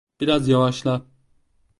Biraz yavaşla.